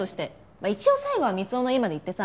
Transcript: まあ一応最後は光雄の家まで行ってさ。